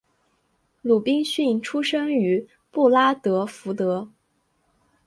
鲁宾逊出生于布拉德福德。